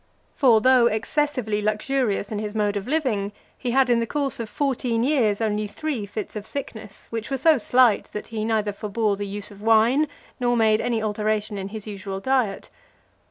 For, though excessively luxurious in his mode of living, he had, in the course of fourteen years, only three fits of sickness; which were so slight, that he neither forbore the use of wine, nor made any alteration in his usual diet.